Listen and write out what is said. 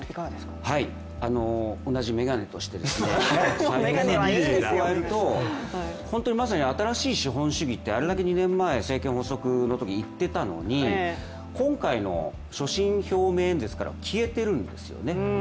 同じメガネとして、本当にまさに新しい資本主義ってあれだけ２年前、政権発足のときに言っていたのに今回の所信表明演説から消えているんですよね。